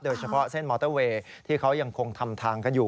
โดยเฉพาะเส้นมอเตอร์เวย์ที่เขายังคงทำทางกันอยู่